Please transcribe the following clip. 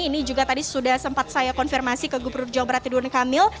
ini juga tadi sudah sempat saya konfirmasi ke gubernur jawa barat ridwan kamil